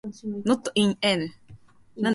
Not in N.